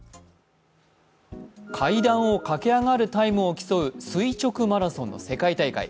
階段を駆け上がるタイムを競う垂直マラソンの世界大会。